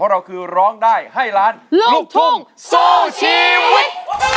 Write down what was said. เราคือร้องได้ให้ล้านลูกทุ่งสู้ชีวิต